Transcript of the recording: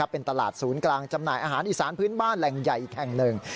เป็นตลาดศูนย์กลางจำหน่ายอาหารอีสานพื้นบ้านแหล่งใหญ่อีกแห่งหนึ่ง